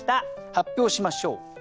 発表しましょう。